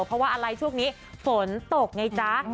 เพราะว่าอะไรช่วงนี้ฝนตกไงจ๊ะ